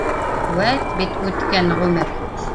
Үәт бит үткән ғүмер